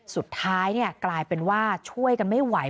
สุดท้ายกลายเป็นว่าช่วยกันไม่ไหว